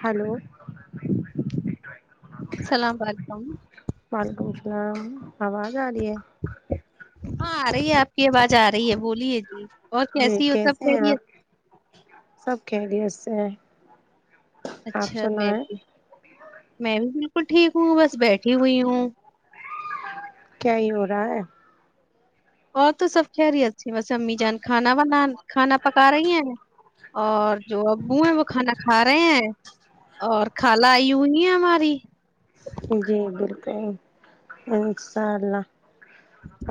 hello السلام علیکم وعلیکم السلام آواز آ رہی ہے وہاں آ رہی ہے آپ کی آواز آ رہی ہے بولیے جی اور جی کیسی ہو سب کیسے ہیں کہہریے آپ سب [unintelligible] آپ اچھا میں سنائیں بھی میں بھی بالکل ٹھیک ہوں بس بیٹھی ہوئی ہوں کیا ہی ہو رہا ہے اور تو سب خہریی ہےت اچ بس امی جان کھانا بناان کھانا پکا رہی ہیں اور جو اب ابو ہے وہ کھانا کھا رہے ہیں اور کالا آئی ہوئی ہے ہماری جی بالکل انشاء اللہ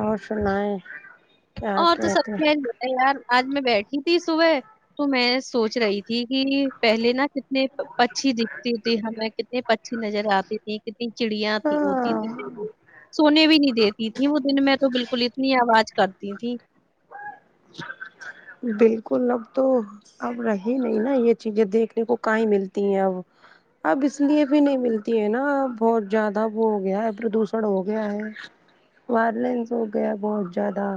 اور سنا ہے اور تو سب کھیل لیتے ہیں یار آج میں بیٹھی تھی صبح تو میں سوچ رہی تھی کہ پہلے نا کتنے پچھی دکھتی تھی ہمیں کتنے پچھی نظر آتی تھی کتنی چڑیاں تھی ہوتی تھی پے ہاں سونے بھی نہیں دیتی تھی وہ دن میں تو بالکل اتنی آواز ت تھی بالکل اب تو اب رہی نہیں نا یہ چیزیں دیکھنے کو کہیں ملتی ہیں اب اب اس لیے بھی نہیں ملتی ہے نا بہت زیادہ وہ ہو گیا ہے پردوشن ہو گیا ہے وائلینس ہو گیا ہے بہت زیادہ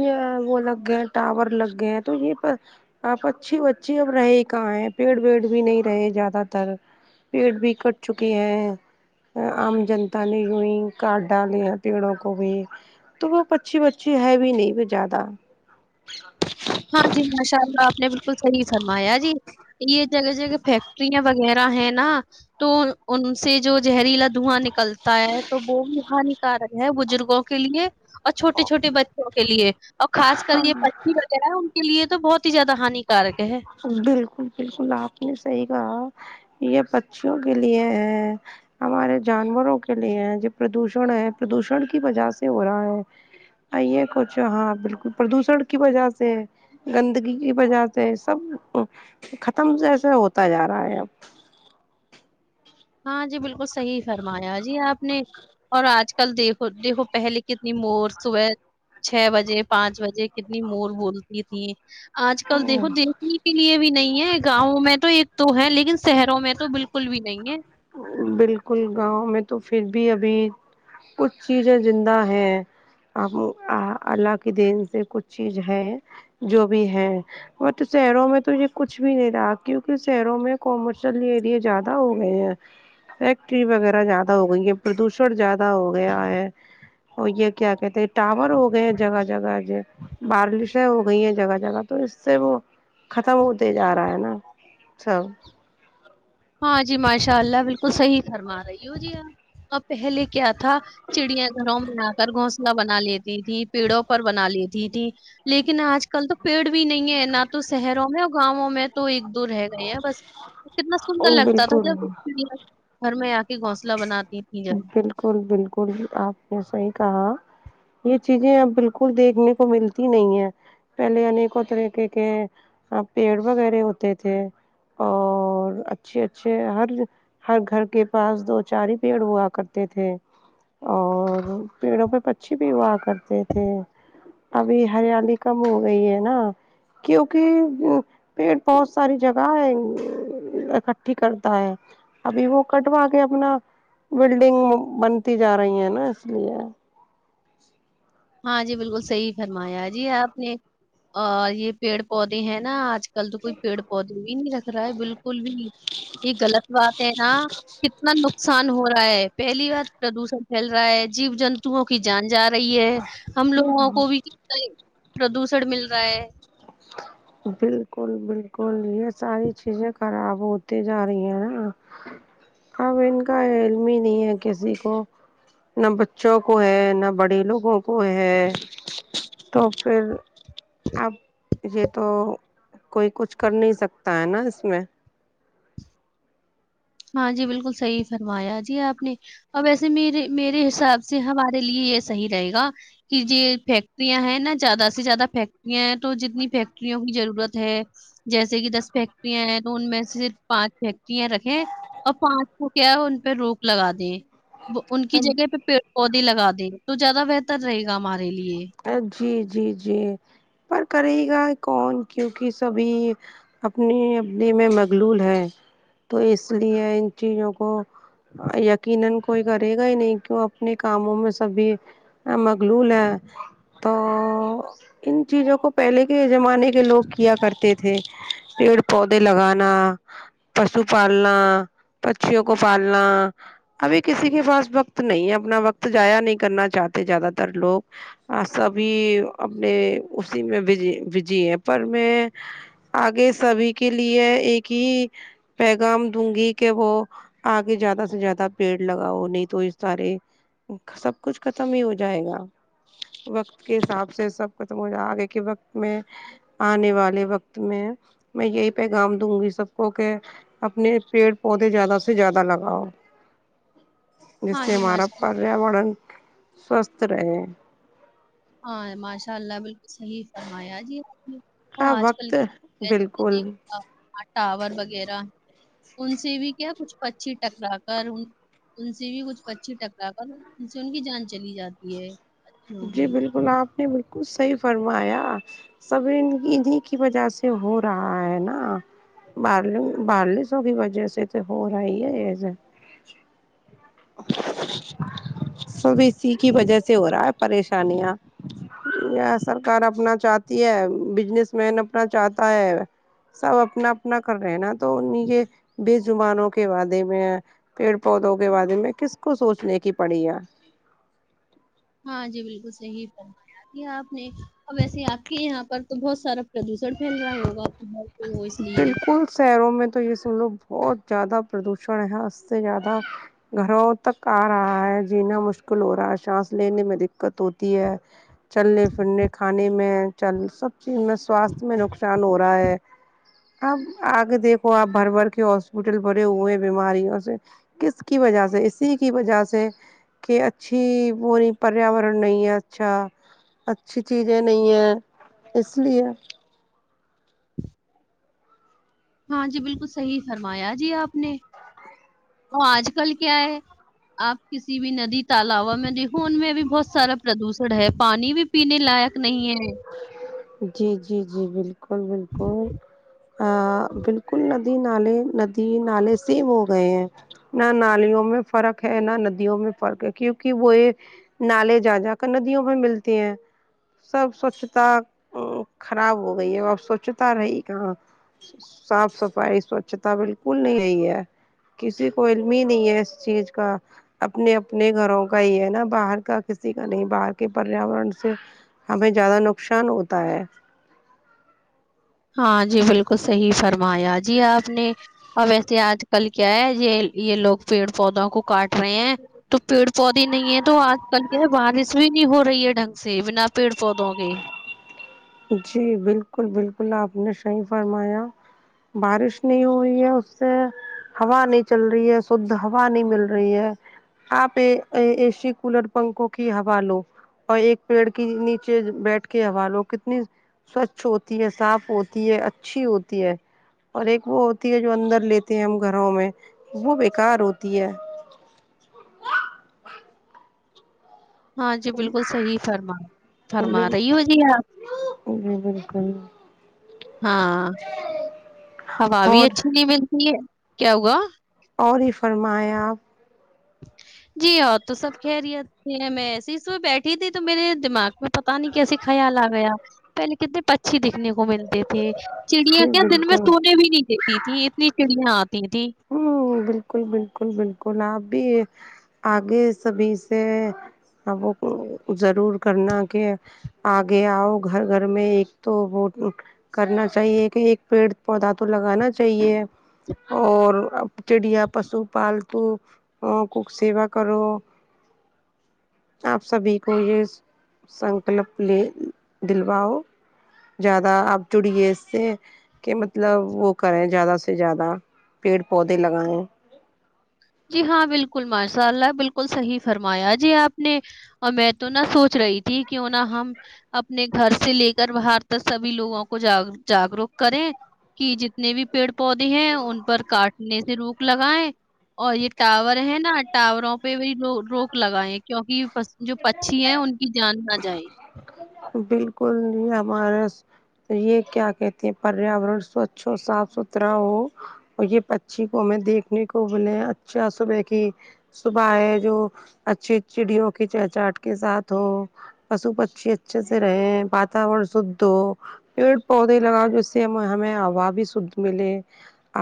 یہ وہ لگ گ ٹاور لگ گئے تو یہ پچھی بچی اب رہے ہی کہاں ہے پیڑ ویڑ بھی نہیں رہے زیادہ تر پیڑ بھی کٹ چکے ہیں عام جنتا نےیں کارڈ ڈالے ہیں پیڑوں کو بھی تو وہ اچھی بچی ہے بھی نہیں زیادہ ہاں جی ماشاء اللہ آپ نے بالکل صحیح سنا مایا جی یہ جگہ جگہ فیکٹرییاں وغیرہ ہے نا تو ان سے جو زہریلا دھواں نک کلتا ہے تو وہ بھی ہانکار ہے بزرگوں کے لیے اور چھوٹے چھوٹے بچوں کے لیے اور خاص کر یہ وغیرہ ان کے لیے تو بہت ہی زیاد ہانانی بالکل بالکل آپ نے صحی کہا یہ پچیوں کے لیے ہے ہمارے جانوروں کے لیے ہے جو پردوشن ہے پردوشن کی وجہ سے ہو رہا ہے یہ کچھ ہاں بالکل پردوشن کی وجہ سے گندگی کی وجہ سے سب ختم جیسا ہوتا جا رہا ہے اب ہاں جی بالکل صحیح فرمایا جی آپ نے اور آج کے کل دیکھو دیکھو پہلے کتنی مور صبح چھ بجے پانچ بجے کتنی مور بولتی تھیں آج کل دیکھو اب دیکھنے کے لیے بھی نہیں ہے گاؤں میں تو ایک تو ہے لیکن شہروں میں تو تو بالکل بھی نہیں ہے بالکل گاؤں میں تو پھر بھی ابھی کچھ چیزیں زندہ ہیں اب اللہ کی دین سے کچھ چیز ہے جو بھی ہے بٹ شہروں میں تو یہ کچھ بھی نہیں رہا کیوںکہ شہروں میں کومرشل اریے زیادہ ہو گئے ہیں فیکٹری وغیرہ زیادہ ہو گئی ہے پردوشن زیادہ ہو گیا ہے اور یہ کیا کہتے ہیں ٹاور ہو گئے ہیں جگہ جگہ بارشیں ہو گئی ہیں جگہ جگہ تو اس سے وہ ختم ہوتے جا رہا ہے نا سب ہاں جی ماشاء اللہ بالکل صحیح فرما رہی ہو جی آپ اب پہلے کیا تھا چڑیاں گھروں میں آ کر گ بنا لیتی تھی پیڑوں پر بنا لیتی تھی لیکن آج کل تو پیڑ بھی نہیں ہے نہ تو شہروں میں ا گاؤوں میں تو ایک دور رہ گئی ہے بس کتنا ا سندر لگتا تھا بالکل جب چڑیا میں آ کے گھونسلہ بناتی تھیں جب بالکل بالکل آپ نے صحی کہا یہ چیزیں ا بالکل دیکھنے کو ملتی نہیں ہے پہلے انیکوں طریقے کے پیڑ وغیرہ ہوتے تھے اور اچھے اچھے ہر ہر گھر کے پاس دو چار ہی پیڑ ہوا کرتے تھے اور پیڑوں پہ اچھی بھی ہوا کرتے تھے ابھی ہریالی کم ہو گئی ہے نا کیونکہ پیڑ بہت ساری جگہ ہے اکٹھی کرتا ہے ابھی وہ کٹوا کے اپنا بلڈنگ بنتی جا رہی ہیں نا اس لیے ہاں جی بالکل صحیح فرمایا جی آپ نے اور یہ پیڑ پودے ہیں نا آج کل آج کل تو کوئی پیڑ پودے بھی نہیں رکھ رہا ہے بالکل بھی یہ غلط بات ہے نا کتنا نقصان ہو رہا ہے پہلی بار پردوشن چھیل رہا ہے جیو جنتوؤں کی جان جا رہی ہے ہم لوگوں کو بھی پردوشن مل رہا ہے بالکل بالکل یہ ساری چیزیں خراب ہوتی جا رہی ہیں نا اب ان کا علم ہی نہیں ہے کسی کو نہ بچوں کو ہے نہ بڑے لوگوں کو ہے تو پھر اب یہ تو کوئی کچھ کر نہیں سکتا ہے نا اس میں ہاں جی بالکل صحیح فرمایا جی آپ نے اور ویسے میرے میرے حساب سے ہمارے لیے یہ صحیح رہے گا کہ یہ فیکٹریاں ہیں نا زیادہ سے زیادہ فیکٹریاں ہیں تو جتنی فیکٹریوں کی ضرورت ہے جیسے کہ دس فیکٹریاں ہیں تو ان میں سے صرف پانچ فیکٹریاں رکھیں اور پانچ کو کیا ہے ان پہ روک لگا دیں وہ ان کی اب جگہ پہ پڑ پودے لگا دے تو زیادہ بہتر رہےا مار لیے جی جی جی پر کرے گا کون کیونکہ سبھی اپنے اپنے میں مخلول ہیں تو اس لیے ان چیزوں کو یکیننکوئی کرے گا ہی نہیں کیوں اپنے کاموں میں سبھی مقلول ہیں تو ان چیزوں کو پہلے کے زمانے کے لوگ کیا کرتے تھے پیڑ پودے لگانا پشو پالنا پھیوں کو پالنا ابھی کسی کے پاس وقت نہیں ہے اپنا وقت جایا نہیں کرنا چاہتے زیادہ تر لوگ سبھی اپنے اسی میںج وجی ہے پر میں آگے سبھی کے لیے ایک ہی پیغام دوں گی کہ وہ آگے زیادہ سے زیادہ پیڑ لگاؤ نہیں تو اس سارے سب کچھ ختم ہی ہو جائے گا وقت کے حساب سے سب ختم آگے کے وقت میں آنے والے وقت میں میں یہی پیغام دوں گی سب کو کہ اپنے پیڑ پودے زیادہ سے زیادہ لگاؤ جس ہاں سے جی ہمارا ماشاء اللہ پریاورن سوستھ رہے ہاں ماشاء اللہ بالکل صحیح فرمایا آ جی آپ نے اور ہاں آج وقت کل کیا ہو گیا جیسے بالکل دیکھ ٹاور وغیرہ ان سے بھی کیا کچھ پچھی ٹکرا کر ان سے بھی کچھ پچھی ٹکرا کر ان سے ان کی جان چلی جاتی ہے اچھیوں جی کی بالکل آپ نے بالکل صحیح فرمایا سبیں کی وجہ سے ہو رہا ہے نا بارسوں کی وجہ سے تو ہو رہا ہی ہے سب اسی کی وجہ سے ہو رہا ہے پریشانیاں سرکار اپنا چاہتی ہے بجنس مین اپنا چاہتا ہے سب اپنا اپنا کر رہے ہیں نا تو ان بےجبانوں کے بارے میں پیڑ پودوں کے بارے میں کس کو سوچنے کی پڑی ہے ہاں جی بالکل صحیح فرمایا کیا آپ نے اور ویسے آپ کے یہاں پر تو بہت سارا پردوشن پھیل رہا ہوگا ب بالکل شہروں میں تو یہ س لوگ بہت زیادہ پردوشن ہے س اس سے زیادہ گھروں تک آ رہا ہے جینا مشکل ہو رہا ہے سانس لینے میں دقت ہوتی ہے چلنے پھرنے کھانے میں چل سب چیز میں سواستھ میں نقصان ہو رہا ہے اب آگے دیکھو آپ بھر بھر کے ہاسپٹل بھرے ہوئے ہیں بیماریوں سے کس کی وجہ سے اسی کی وجہ سے کہ اچھی وہ پریاورن نہیں ہے اچھا اچھی چیزیں نہیں ہے اس لیے ہاں جی بالکل صحیح فرمایا جی آپ نے تو آج کل کیا ہے آپ کسی بھی ندی تالوا میں دیکھو ان میں بھی بہت سارا پردوشن ہے پانی بھی پینے لائق نہیں ہے ج جی جی جی بال بکل بالکل بالکل نہ ن نالے ندی نالے سیم ہو گئے ہیں نہ نالیوں میں فرق ہے نہ ندیوں میں فرق ہے کیونکہ وہ یہ نالے جا جا کر ندیوں میں ملتے ہیں سب سوچھتا خراب ہو گئی ہے ا سوچھتا رہی کہاں صاف صفائی سوچھتا بالکل نہیں رہ ہے کسی کو علم ہی نہیں ہے اس چیز کا اپنے اپنے گھروں کا ہی ہے نا باہر کا کسی کا نہیں باہر کے پریاورن سے ہمیں زیادہ نقصان ہوتا ہے ہاں جی بالکل صحیح فرمایا جی آپ نے اب ویسے آج کل کیا ہے یہ یہ لوگ پیڑ پودوں کو کاٹ رہے ہیں تو پیڑ پودے نہیں ہے تو آج کل یہ بارش بھی ہو رہی ہے ڈھنگ سے بنا پیڑ پودوں کے جی بالکل بالکل آپ نے صیح فرمایا بارش نہیں ہوئی ہے اس سے ہوا نہیں چل رہی ہے شھ ہوا نہیں مل رہی ہے آپ اے سی کولر پنکھوں کی ہوا لو اور ایک پیڑ کی نیچے بیٹھ کے ہوا لو کتنی سوچھ ہوتی ہے صاف ہوتی ہے اچھی ہوتی ہے اور ایک وہ ہوتی ہے جو اندر لیتے ہیں ہم گھروں میں وہ بیکار ہوتی ہے ہاں جی بالکل صحیح فرما فرما رہی ہو جی آپ بالکل ہاں ہوا بھی اور اچھی نہیں ملتی ہے کیا ہوگا اور ہی فرماائےیں آپ جی ہاں تو سب کہہ رہ ہیں میں ایسیس میں بیٹھی تھی تو میرے دماغ میں پ پتا نہیں کیسے خیال آ گیا پہل کتنے پچھی دکھنے کو ملتے تھے چڑیاں جی کیا دن میں بالکل سونے بھی نہیں دیتی تھی اتنی چڑیاں آتی تھیں ہ بالکل بالکل بالکل آپ بھی آگے سبھی سے ضرور کرنا کہ آگے آؤ گھر گھر میں ایک تو وہ کرنا چاہیے کہ ایک پیڑ پودا تو لگانا چاہیے اور چڑیا پشو پالتو ا کک سیوا کرو آپ سبھی کو یہ سنکلپ لے دلواؤ زیادہ آپ جڑیے اس سے کہ مطلب وہ کریں زیادہ سے زیادہ پیڑ پودے لگائیں جی ہاں بالکل ماشاء اللہ بالکل صحیح فرمایا جی آپ نے میں تو نہ سوچ رہی تھی ت کیوں نہ ہم اپنے گھر سے لے کر باہر تک سبھی لوگوں کو ج جاگروک کریں کہ جتنے بھی پیڑ پودے ہیں ان پر کاٹنے سے روک لگائائے اور یہ ٹاور ہے نا ٹاوروں پہ وہی روک لگائے کیوںکہ جو پچھی ہیں ان کی جان نہ جائے بالکل ج ہمارا یہ کیا کہتے ہیں پریاورن سوچھ ہو صاف ستھرا ہو اور یہ پچھی کو ہمیں دیکھنے کو بولے اچھا صبح کی صبح ہے جو اچھی چڑیوں کچہچاہٹ کے ساتھ ہو پشو پشی اچھے سے رہے واتورن شھ ہو پیڑ پودے لگاؤ جس سے ہم ہمیں ہا بھی شھ ملے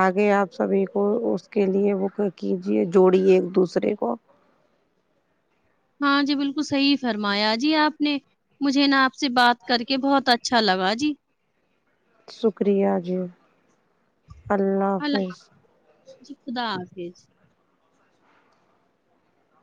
آگے آپ سبھی کو اس کے لیے وہ کیجے جوڑیے ایک دوسرے کو ہاں جی بالکل صحیح فرمایا جی آپ نے مجھے نا آپ سے بات کر کے بہت اچھا لگا جی شکریہ جی اللہ ہلہ ج حافظ جی خدا آف